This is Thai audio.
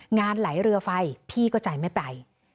งานไหลเรือไฟพี่ก็ใจไม่ไป